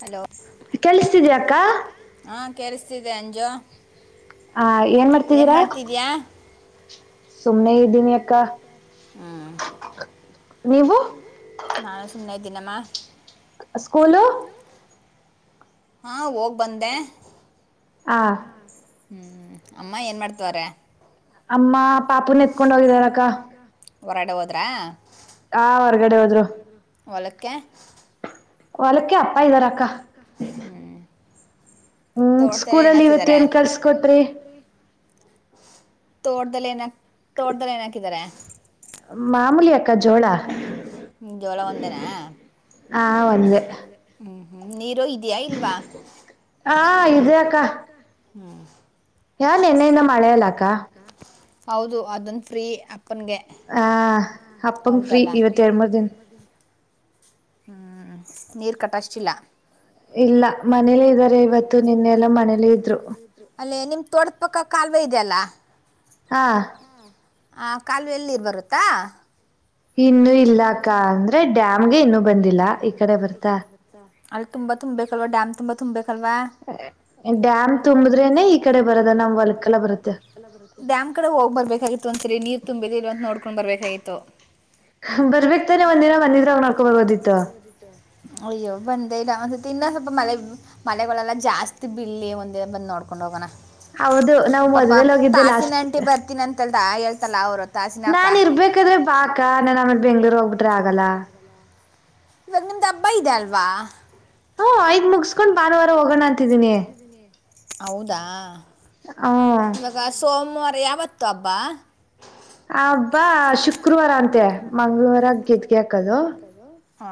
Hello ಹಾ ಕ. ಗಂಜಾ. ಹ ಏನ್ ಮಾಡ್ತಿದೀರಾ. ಚ ಹ್ಮ್. ನೀವು. ನಾನು ಸುನ್ನ ದಿನಮ್ಮ. ಸ್ಕೂಲು. ಹಾ ಹೋಗ್ ಬಂದೆ. ಆ. ಹ್ಮ್ ಅಮ್ಮ ಏನ್ ಮಾಡ್ತವಾರ. ಅಮ್ಮ ಪಾಪನ ಎತ್ಕೊಂಡ ಹೋಗಿದಾರಕ್ಕ. ಹೊರಾಡೆ ಹೋದ್ರಾ. ಹರ್. ಹೊಗಡೆ ಹೋದ್ರು. ಒಲಕ್ಕೆ. ಒಲಕ್ಕೆ ಅಪ್ಪಾ ಇ್ದಾರಾಕ್ಕ. ಹ್ಮ್ ಸ್ಕೂಲಲ್ಲಿ ಇವತ್ತ ಏನ್ ಕಲ್ಸ್ಕೊಟ್ರಿ. ತೋಡದಲ್ಲೇನಾ ತೋಡದಲ್ಲೇನಾ ಕಧರ. ಮಾಮೂಲಿ ಅಕ್ಕ ಜೋಳ ಹ್ಮ ಜೋಳಾ ಒಂದೇನ. ಹಾ ಒಂದ. ಹ್ಮ್ ಹ್ಮ್. ಹಾ ಇದೇ ಅಕ್ಕಾ. ಹ್ಮ್. ಹಾನ್ ನಿನ್ನೆಯಿಂದ ಮಳೆ ಅಲ್ಲಕ್ಕ. ಹೌದು ಅದನ್ ಫ್ರೀ. ಆ ಅಪ್ಪಗಂ ಫ್ರೀ ಇವತ್ತ ಎರಡ್ಮೂರ ದಿನ. ಹ ನೀರು ಕಟ್ಟೋಷ್ಟಿಲ್ಲ. ಇಲ್ಲ ಮನೆಯಲ್ಲಿ ಇದಾರೆ ನಿನ್ನೆಲ್ಲ ಮನೇಲಿ ಇದ್ರು. ಪಕ್ಕ ಕಾಲುವೇ ಇದೆ ಅಲ್ಲಾ. ಹಾ. ಆ ಕಾಲುವ ಎಲ್ಲಿರ್ ಬರುತ್ತಾ. ಇನ್ನುೂ ಇಲ್ಲ ಅಕ್ಕ ಅಂದ್ರೆ ಡ್ಯಾಮ್ಗೆ ಇನ್ನುೂ ಬಂದಿಲ್ಲ ಈ ಕಡೆ ಬರ್ತಾ. ಅಲ್ಲಿ ತುಂಬ ತುಂಬಬೇಕಲ್ವಾ ಡ್ಯಾಂ ತುಂಬ ತುಂಬಬೇಕು. ಡ್ಯಾಮ್ ತುಂಬುದ್ರೇನೆ ಈ ಕಡೆ ಬರದ. ಡ್ಯಾಂ ಕಡೆ ಹೋಗ್ ಬರ್ಬೇಕಾಗಿತ್ತು ಒಂದು ನೀರ್. ತುಂಬಿದ ಇರೋದ ನೋಡ್ಕೊಂಡ್ ಬರ್ಬೇಕಾಗಿತತ್ತು. ಅಯ್ಯೋ ಬನ್ನಿ. [inaudible] ಇನ್ನು ಸ್ವಲ್ಪ ಮಳ ಮಳೆಗಳೆಲ್ಲ ಜಾಸ್ತಿ ಬಿಳ್ಳಿ ಒಂದ ದಿನ ಬಂದು ನೋಡ್ಕೊಂಡು ಹೋಗೋಣ. ಹೌದು ನಾವು ಮದ್ವೆೇಲ್ ಹೋಗಿದ್ದೆಲ್ಲ ಅಷ್ಟ. ತಾಯಿ ಹೇಳ್ತಲ್ಲ ಅವ್ರ. ನಾನ್ ಇರ್ಬೇಕಾದ್ರೆ ಬಾ ಅಕ್ಕಾ ನಾನ ಆಮೇತ್ ಬೆಂಗಳೂರಿಗೆ ಹೋಗ್ಬಿಟ್ರೆ ಆಗಲ್ಲ. ಇವಾಗ ನಿಮ್ದ ಹಬ್ಬ ಇದೆ ಅಲ್ವಾ. ಹಾ ಆಯಿ. ಮುಗಿಸಸ್ಕೊಂಡ್ ಭಾನುವಾರ ಹೋಗಣ ಅಂತಿದ್ದೀನಿ. ಹೌದಾ. [unintelligible] ಸೋಮವಾರ ಯಾವತ್ತ ಹಬ್ಬಾ. ಆ ಹಬ್ಬಾ ಶುಕ್ರವಾರ ಅಂತೆ ಮಂಗಳವಾರ ಗೆದ್ಗೆಯಾಕದು. ಹಾ.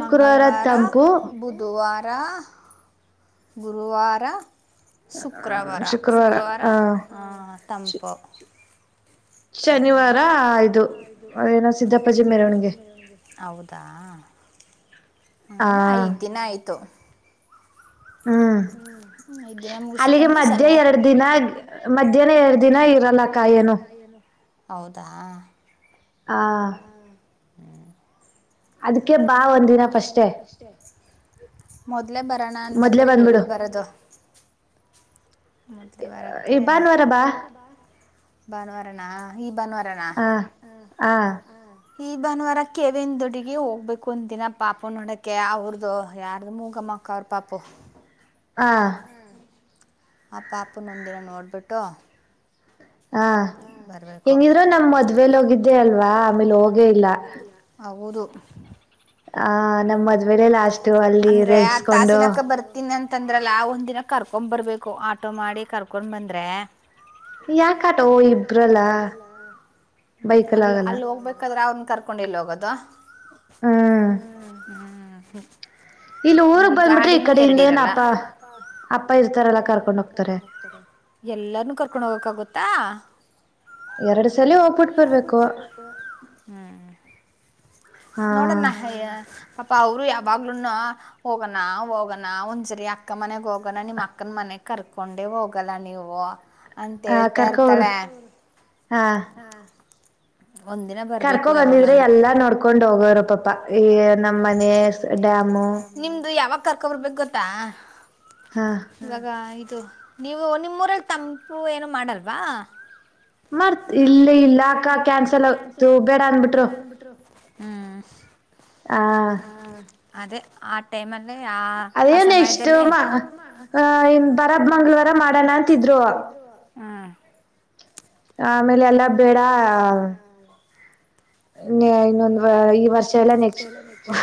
ಮಂಗಳವಾರ ಬುಧವಾರ. [inaudible] ಗುರುವಾರ. ಶುಕ್ರವಾರ. ಶುಕ್ರವಾರ ತಂಪು. ಶನಿವಾರ ಇದು [unintelligible] ಹೌದಾ. ಅದ ಐದಿನ ಆಯ್ತು. ಹ್ಮ ಐದ ದಿನ ಮುಗಿಸಕೊಂಡು ಶನಿವಾರ. ಮಧ್ಯೆ ಎರಡ್ ದಿನ ಮಧ್ಯಾಹ್ನ ಎರಡ್ ದಿನ ಇರಲ್ಕ ಏನು. ಹೌದಾ. ಹಾ. ಹ್ಮ್ ಆದಕ್ಕೆ ಬಾ ಒಂದಿನ ಫಸ್ಟೆ ಅಂದ್ರೆ ಅದು ಮೊದಲೇ ಬರೋಣ ಅಂತ ಅಂದ್ರೆ ಎಲ್ಲಿ ಬರೋದು ಮೊದ್ಲೇ ಬರಕ್ಕೆ ಭಾನುವಾರ ನಾ. ಈ ಭಾನುವಾರ. ಹಾ ಹಾ ಈ ಭಾನುವಾರ ಕೆವೆಂದೋಡಿಗೆ ಹೋ ಬೇಕು ಒಂದ ದಿನ ಪಾಪು ನೋಡೋಕ್ಕೆ ಅವ್ರದುು ಯಾರ್ದು ಮೂಗಮ್ಮಕ್ಕ ಅವ್ರ ಪಾಪು. ಹಾ ಆ ಪಾಪುನ ಒಂದಿನ ನೋಡ್ಬಿಟ್ಟು ಹ ಬರ್ಬೇಕು ಹೌದು ಅಂದ್ರೆ ಆ ತಾಸಿನಕ ಬರ್ತೀನಿ ಅಂತಂದ್ರಲ್ಲ ಒಂದ್ ದಿನ ಕರ್ ಒಂಬ ಬರಬೇಕು ಆಟೋ ಮಾಡಿ ಕರ್ಕೊಂಡು ಬಂದರೆೆ [unintelligible] ಅ ಅಲ್ಲಿ ಹೋಗ್ಬೇಕಾದ್ರೆ ಅವನ್ ಕರಕೋಂಡ ಎಲ್ಲಿ ಹೋಗೋದು ಹ್ಮ್ ಹ್ಮ ಹ್ಮ್ ಆಮೇಲೆ ಗಾಡಿನೂ ಎರಡಿರಲ್ಲ ಅಪ್ಪ ಇರ್ತರಲ್ಲ ಕರ್ಕೊಂಡು ಹೋಗ್ತಾರೆ ಎಲ್ಲಾರೂ ಕರ್ಕೊಂಡ ಹೋಗಕಗುತ್ತ ಎರಡು ಸಲಿ ಹೋಗಿ ಬಿಟ್ ಬರ್ಬೇಕು ಹ್ಮ ನೋಡಣ ಯ ಪಾಪ ಅವರು ಯಾವಾಗ್ಲೂನು ಹೋಗಣ ಹೋಗಣ ಒಂದ್ಸರಿ ಅಕ್ಕ ಮನೆಗ್ ಹೋಗಣ ನಿಮ್ ಅಕ್ಕನ ಮನೆಗ್ ಕರ್ಕೊಂಡೆ ಹೋಗಲ್ಲ ನೀವು. ಅಂತೇ ರ್ ಹಾ ಒಂದ್ ದಿನ ಬರ್ಬೇಕು ಯಾವಾಗ್ಲಾದರು ಎಲ್ಲ ನೋಡ್ಕೊಂಡ್ ಹೋಗರ ಪಾಪ ನಿಮ್ಮದು ಯಾ ಕರ್ಕೊಬರ್ಬೇಕ ಗೊತ್ತಾ ಇವಾಗಾ ನೀವು ನಿಮ್ಮ ನಿಮ್ಮೂರ ತಂಪು ಏನು ಮಾಡಲ್ ವಾ ಮರ್ ಇಲ್ಲ ಇಲ್ಲ ಅಕ ಕ್ಯಾನ್ಸಲ್ ತು ಬೇಡ ಅಂದಬಿಟ್ರು ಹ್ಮ್ ಹಾ ಅದೇ ಆ ಟೈಮಲ್ ಅ ಆ ಆ ಸಮಯದಲ್ಲಿ [unintelligible] ಆಮೇಲೆ ಎಲ್ಲ ಬೇಡ ಇನ್ನೊಂದು ಈ ವರ್ಷ ಇಲ್ಲ ನೆಕ್ಸ್ಟ್ ವ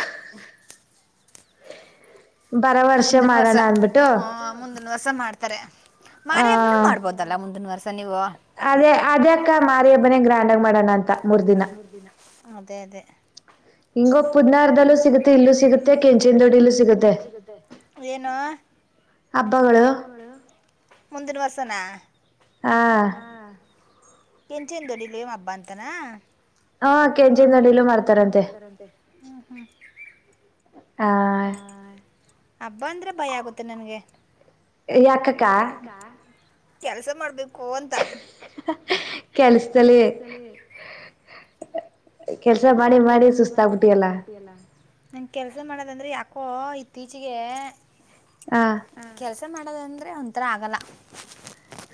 ಮುಂದಿನ ವರ್ಷ ಹಾ ಮುಂದಿನ ವರ್ಷ ಮಾಡ್ತಾರೆ ಮಾರಿ ಹಬ್ಬನು ಮಾಡ್ಬೋದಲ್ಲ ಮುಂದಿನ ವರ್ ಅದೇ ಅದೇ ಅಕ್ಕ ಮಾರಿಳಬ್ಬನೇ ಗ್ರ್ಯಾಂಡ್ಗ ಮಾಡೋಣ ಅಂತ ಮೂರ್ ದಿನ ಅದೇ ಅದೇ ಹಿಂಗೊ ಕುದನಾರದಲ್ಲೂ ಸಿಗಕು ಇಲ್ಲೂ ಸಿಗುತ್ತೆ ಕೆಂಚೇ ದೊಡ್ಡ ಇಲ್ಲೂ ಸಿಗುತ್ತೆ ಏನು ಹಬ್ಬಗಳು ಮುಂದಿನ್ ವರ್ಷ ನಾ ಹಾ ಕೆಂಚನ್ ದೊಡಿಲ್ ಅಬ್ಬಾ ಅಂತನಾ ಹಾ ಕೆಂಜಿ ನಡಿಲ್ಲೂ ಮಾಡ್ತಾರಂತೆ ಹ್ಮ್ ಹ್ಮ್ ಹಾ ಹಬ್ಬ ಅಂದ್ರೆ ಭಯ ಆಗುತ್ತೆ ನನ್ಗೆ ಎ ಯಾಕ್ಕಕ್ಕಾ ಕೆಲ್ಸ ಮಾಡ್ಬೇಕು ಕೆಲ್ಸದಲ್ಲಿ ಕೆಲ್ಸ ಮಾಡಿ ಮಾಡಿ ಸುತ್ತಾಗ ಬಿಟ್ಟಿಯಲ್ಲ ನಂಗ್ ಕೆಲ್ಸ ಮಾಡದಂದ್ರೆ ಯಾಕ ಕ್ಕೋ ಇತ್ತೀಚೆಗೆ ಹ ಕೆಲ್ಸ ಮಾಡದಂದ್ರೆ ಅಂದ್ರೆ ಒಂಥರ ಆಗಲ್ಲ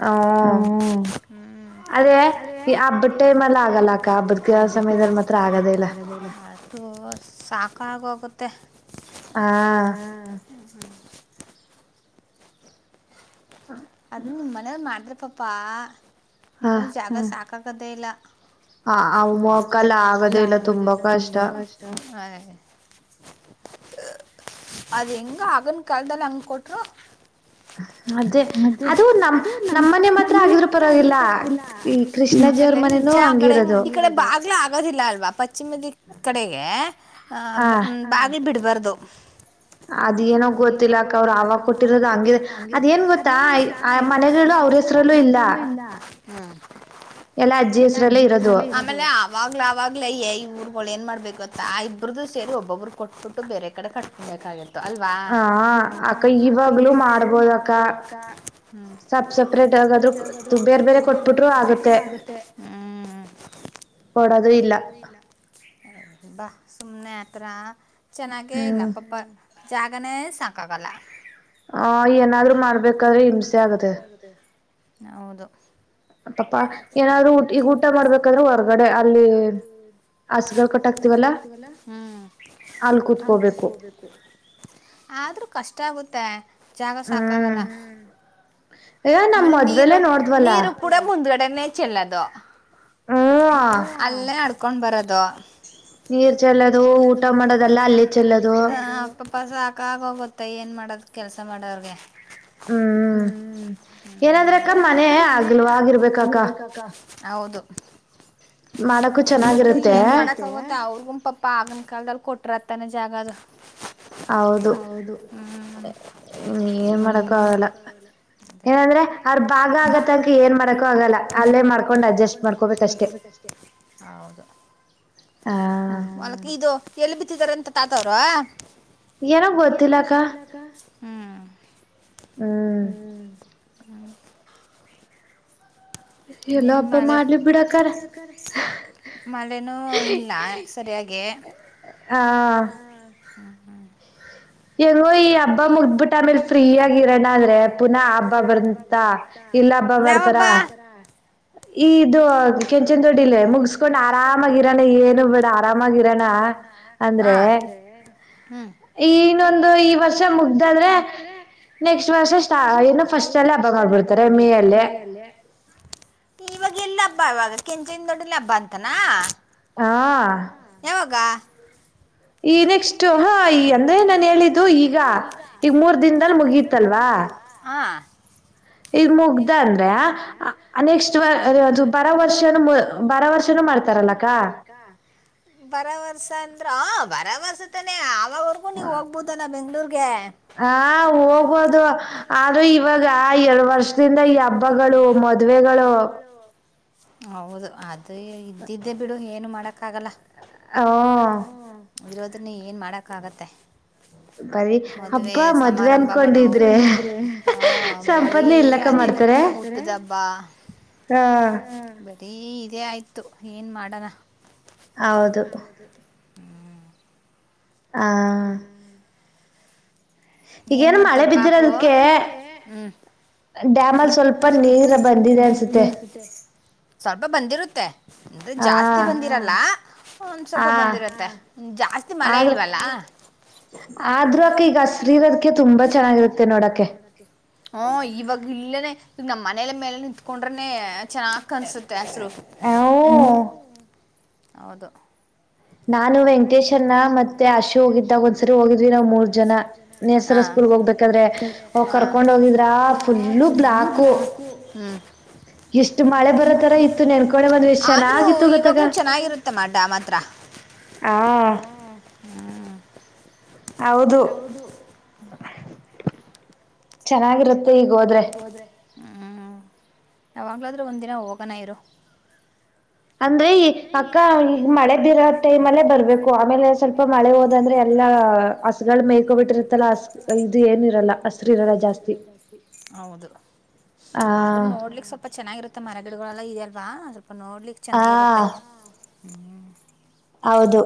ಹ್ಮ್ಮ್ ಅದೇ ಈ ಹಬ್ಬುದ್ಟೈಮಲ್ಲಿ ಆಗಲ್ಲ ಅಕ್ಕ ಹಬ್ಬದ [unintelligible] ಆಕ ಆಗೋಗುತ್ತೆ ಹ್ಮ ಹಾ ಅದನ್ ನಿಮ್ ಮನೇಲ್ ಮಾಡ್ರಿ ಪಪಾ ಇನ್ನು ಜ ಸಾಕ್ ಸಾಕಾಗದೆ ಇಲ್ಲ ಹ ಅವ ಅಕ್ಕ ಅಲ್ ಆಗದೇ ಇಲ್ಲ ತುಂಬಾ ಕಷ್ಟ ಏ ಅದ್ ಹೆಂಗ ಆಗನ್ ಕಾಲದಲ್ಲಿ ಹಂಗ ಕೊಟ್ರು [inaudible] ಅದೇ ಅದೇ ನಮ ನಮ್ಮನೆ ಮಾತ್ರ ಆಗಿರ ಪರವಾಗಿವಾಗಿಲ್ಲ ಹ್ಮ್ ಆಮೇಲೆ ನಿಜ ಕಣೆ ಈ ಕಡೆ ಬಾಗ್ಲ ಆಗೋದಿಲ್ಲ ಅಲ್ವಾ ಪಶ್ಚಿಮ ದಿಕ್ ಕಡೆಗೆ ಹ ಬಾಗ್ಲು ಬಿಡ್ಬಾರ ಕ್ದ ಅದ್ ಏನೋ ಗೊತ್ತಿಲ್ಲಾಕ್ಕ ಅವ್ರ ಆವಾಗ ಕೊಟ್ಟಿರೋದು ಹಂಗಿದೆ ಅದೇನ್ ಗೊತ್ತಾ ಆ ಮನೆಲ್ಲ ಅವ್ರ ಹೆಸ್ರಲ್ಲೂ ಇಲ್ಲ ಹ ಎಲ್ಲ ಅಜ್ಜಿಲ್ಲಿ ಆಮೇಲೆ ಅವಾಗ್ಲ ಅವಾಗ್ಲೇ ಯ ಈ ಊರ್ಗಳಳ ಏನ್ ಮಾಡ್ ಬೇಕುಂತ ಆ ಇಬ್ಬರ್ದು ಸೇರಿ ಒಬ್ಬೊಬ್ರು ಕೊಟ್ಬಿಟ್ಟು ಬೇರೆ ಕಡೆ ಕಟ್ಕಬೇಕಾಗಿತ್ತೆ ಅಲ್ವಾ ಹೂ ಅಕ್ಕ ಈವಾಗ್ಲೂ ಮಾಡ್ಬೋದು ಅಕ್ಕ ಹ್ಮ್ ಸಪ್ ಸಪ್ ರೇಟ್ ಆಗಾದ್ರು ಕೋಡ್ ದುಡ್ ಬೇರ್ ಬೇರೆ ಕೊಟ್ಟಟ್ರರು ಆಗುತ್ತೆ ಹ್ಮ್ ಕೊಡದು ಇಲ್ಲ ಬಾ ಸುಮ್ನೆ ತ್ರ ಚೆನ್ನಾಗೇ ನಾಪಪ್ಪ ಜಾಗನೇ ಸಾಕ ಗಲ್ಲ ಹ ಏನಾದ್ರರು ಮಾಡ್ಬೇಕಾದ್ರೆ ಹಿಂಸೆ ಆಗತೆ ಹೌದು ಪಾಪ ಏನಾದ್ರು ಈಗ ಊಟ ಮಾಡ್ಬೇಕಾದ್ರರು ಹೊರ್ಗಡೆ ಅಲ್ಲಿ ಹಸಗ ಕೊಟ್ಟಕ್ತವಲ್ಲ ಅಲ್ಲಿ ಕುತ್ಕೋಬೇಕು ಆದ್ರೂ ಕಷ್ಟ ಆಗುತ್ತೆ ಜಾಗ ಸಾಕಾಗಲ್ಲ ಆಮೇಲೆ ನೀರು ನೀರು ಕೂಡ ಮುಂದ್ ನೆ ಚೆಲ್ಲದು ಅಲ್ಲೇ ಅ ಕೊಂಡ್ ಬರೋದು ನೀರ್ ಚೆಲ್ಲೋದು ಊಟ ಮಾಡೋದೆಲ್ಲ ಅಲ್ಲಿ ಚೆಲ್ಲೋದು ಪಾಪ ಸಾಕ ಆಗೋಗುತ್ತೆ ಏನ್ ಮಾಡೋದು ಕೆಲಸ ಮಾಡೋರ್ಗೆ ಹ್ಮ್ ಏನಂದ್ರಕ್ಕ ಮನೆ ಆ ಆಗಿರ್ಬೇಕಕ್ಕ ಹೌದು [inaudible] ಏನ್ ಮಾಡಕ್ಕಾಗುತ್ತೆ ಅವರು ಪಾಪ ಆಗನ್ ಕಾಲ ಕೊಟ್ರ ಆತನ್ ಜಾಗದು ಹೌದು ಹ್ಮಏನ್ ಮಾಡಕ ಆಗಲ್ಲ ಅದೇ ಏನಂದ್ರೆ ಅವ್ರ ಭಾಗ ಆಗತ್ತಕ ಏನ್ ಮಾಡಾಕೊ ಆಗಲ್ಲ ಅಲ್ಲೇ ಮಾಡ್ಕೊಂಡ್ ಅಡ್ಜಸ್ಟ್ ಮಾಡ್ಕೋಬೇಕಷ್ಟೆ ಹೌದು ಆ ಇದು ಎಲ್ ಬಿತ್ತಿದ್ದಾರಂತೆ ತಾತ ತಾರು ಏನ ಗೊತ್ತಲ್ಲಕ್ಕ ಹ್ಮ್ ಹ್ಮ್ ಹ್ಮ್ ನಿನ್ ಮಳೆ ಮಳೆನೂ ಇಲ್ಲ ಸರಿಯಾಗಿ ಹ್ಮ ಹ್ಮ್ ಹೆಂಗೋ ಈ ಹಬ್ಬ ಮುಗ್ಬಿಟ್ಟ ಆಮೇಲ್ ಫ್ರೀ ಆಗಿ ಇರೋಣ ಅಂದ್ರೆ ಪುನಃ ಹಬ್ಬ ಬಂತ ಇಲ್ಲ ಹಬ್ಬ ಬರ್ತಾರ ಇ ಇದು ಕೆಂಚನ್ ದೊಡ್ ಇಲ್ವೆ ಮುಗಸ್ಕೊಂಡ್ ಆರಾಮಾಗಿರೋಣ ಏನು ಬೇಡ ಆರಾಮಾಗಿರಣ ಅಂದ್ರೆ ಇನ್ನೊಂದು ವರ್ಷ ಮುಗ್ದಾದ್ರೆ ನೆಕ್ಸ್ಟ್ ವರ್ಷ ಸ್ಟ ಏನು ಫಸ್ಟ್ ಅಲ್ಲೇ ಹಬ್ಬ ಮಾಡ್ಬಿಡ್ತಾರೆ ಮೇ ಅಲ್ಲೇ ಇವಾಗ ಎಲ್ಲಿ ಹಬ್ಬ ಇವಾಗ ಕೆಂಚಿನ ದೊಡ್ಡಲಿ ಹಬ್ಬ ಅಂತಾನ ಹಾ ಈ ನೆಕ್ಸ್ಟ್ ಹಾ ಈ ಅಂದ್ರೆ ನಾನ್ ಹೇಳಿದ್ದು ದು ಈಗ ಈಗ ಮೂರ್ ದಿನ್ ದಲ್ ಮುಗತ್ತಲ್ವಾ ಈಗ ಮುಗ್ದ ಅಂದ್ರ ನೆಕ್ಸ್ಟ್ ಅ ಬರ ವರ್ಷನು ಬರ ವರ್ಷನೂ ಮಾಡ್ತಾರಲ್ಲಕ್ಕ ಬರ ವರ್ಷ ಅಂದ್ರ [unintelligible] ಭರವರ್ಸ ತನೇ ಅವ್ ವರೆಗೂ ನೀವು ಹೋಗ್ಬದು ಬೆಂಗಳೂರು ಹಾ ಹೋಗೋದು ಆದ್ರೂ ಇವಾಗ ಎರಡು ವರ್ಷದಿಂದ ಈ ಹಬ್ಬಗಳು ಮದ್ವೆಗಳು ಹೌದು ಅದು ಇದ್ದಿದ್ದೆ ಬಿಡು ಏನು ಮಾಡಕ್ ಆಗಲ್ಲ ಹು ಇರೋದನ್ನ ಏನು ಮಾಡೋಕ್ಕಾಗತ್ತೆ ಮದ್ವೆ ಸಮಾರಂಭಗಳು ಹ ಬರಿ ಅದೆ ಹುಟ್ದಬ್ಬ ಬರೀ ಇದೇ ಆಯ್ತು ಏನ್ ಮಾಡೋಣ ಹೌದು ಹ್ಮ್ ಹ ಏನ್ ಮಾಡ್ತಾರ ಪಾಪು ಹ್ಮ್ ಡ್ಯಾಮಲ್ ಸ್ವಲ್ಪ ನೀರ್ ಬಂದಿದೆ ಅನ್ಸುತ್ತೆ ಸ್ವಲ್ಪ ಬಂದಿರುತ್ ರುತ್ತೆ [unintelligible] ಅಂದ್ರೆ ಜಾಸ್ತಿ ಬಂದಿರಲ್ಲ ಒಂದ್ ಸ್ವಲ್ಪ ಬಂದಿರತ್ತೆ ಜಾಸ್ತಿ ಮಳೆ ಇಲ್ವಲ್ಲ [unintelligible] ಹು ಇವಾಗ್ ಇಲ್ಲನೆ ನಮ್ಮ್ ಮನೆಲೆ ಮೇಲೆ ನಿತ್ಕೊಂಡ್ರನೆ ಚೆನ್ನಾಗ್ ಕನ್ಸುತ್ತೆ ಹಸ್ರು ಹು ಹೌದು ನಾನು ವೆಂಕಟೇಶಣ್ಣ ಮತ್ತೆ ಅಶೋ ಹೊಗಿದ್ದಾಗ ಒಂದ ಸರಿ ಹೋಗಿದ್ವಿ ನಾವ್ ಮೂರ್ ಜನ ಹ ನೇಸರ ಸ್ಕೂಲ್ ಹೋಗ್ಬೇಕಾದ್ರೆ ಕರ್ಕೊಂಡು ಹೋಗಿದ್ರಾ ಪುಲ್ ಬ್ಲಾಕು ಇಷ್ಟು ಮೆಳೆ ಬರೊ ತರ ಇತ್ತು ಆದ್ರೂ ಇವಾಗ್ಲುೂ ಚೆನ್ನಾಗಿರುತ್ತಮ್ಮ ಡ್ಯಾಮ್ ಹತ್ರ ಹಾ ಹ್ಮ್ ಹೌದು ಚೆನ್ನಾಗಿರುತ್ತೆ ಈಗ್ ಹೋದ್ರೆ ಹ್ಞ ಯಾವಾಗ್ಲಾದ್ರು ಒಂದ್ ದಿನ ಹೋಗೋಣ ಇರು ಅಂದ್ರೆ ಅಕ್ಕ ಈ ಮಳೆ ಬೀರೋ ಟೈಮಲ್ಲೆ ಬರ್ಬೇಕು ಆಮೇಲೆ ಸ್ವಲ್ಪ ಮಳೆ ಹೋದಂದ್ರೆ ಎಲ್ಲ ಹಸಗಳ್ ಮೆಕಾಬಿಟ್ಟಿರುತಲ್ಲ ಇದ್ ಏನ್ ಇರಲ್ಲ ಹಸ್ರು ಹೌದು ಆದ್ರೆ ನೋಡ್ಲಿಕ್ಕೆ ಸ್ವಲ್ಪ ಚೆನ್ನಾಗಿರುತ್ತೆ ಮರಗಿಡಗಳೆಲ್ಲ ಇ ಬಾ ನೋಡ್ಲಿಕ್ ಚೆನ್ನಾಗಿರುತ್ತೆ. ಹಾ ಹ್ಮ ಹೌದು